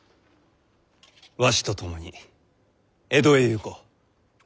わしと共に江戸へ行こう。